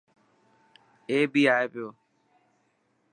اي بي ائي پيو.